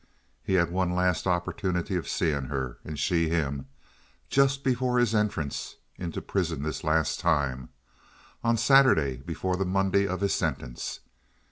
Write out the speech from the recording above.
He had one last opportunity of seeing her—and she him—just before his entrance into prison this last time—on the Saturday before the Monday of his sentence.